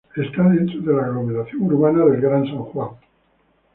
Está dentro de la aglomeración urbana del Gran San Juan.